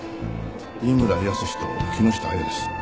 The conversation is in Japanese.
井村泰と木下亜矢です。